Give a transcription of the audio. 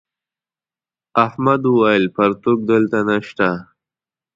احمد وويل: پرتوگ دلته نشته.